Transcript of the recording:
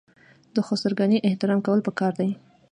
د خسرګنۍ احترام کول پکار دي.